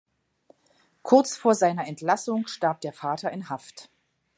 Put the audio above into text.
Kurz vor seiner Entlassung starb der Vater in Haft.